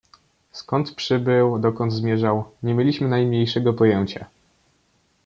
"Skąd przybył, dokąd zmierzał, nie mieliśmy najmniejszego pojęcia."